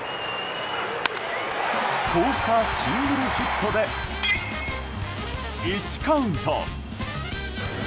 こうしたシングルヒットで１カウント。